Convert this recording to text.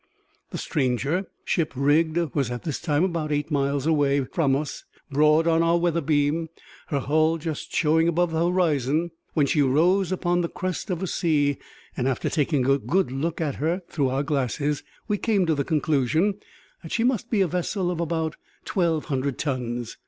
The stranger, ship rigged, was at this time about eight miles away from us, broad on our weather beam, her hull just showing above the horizon when she rose upon the crest of a sea; and, after taking a good look at her through our glasses, we came to the conclusion that she must be a vessel of about twelve hundred tons.